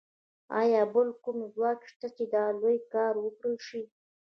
ایا بل کوم ځواک شته چې دا لوی کار وکړای شي